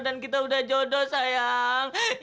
dan kita udah jodoh sayang